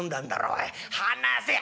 おい離せっ」。